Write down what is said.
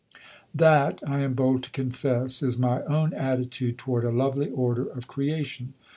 That, I am bold to confess, is my own attitude toward a lovely order of creation.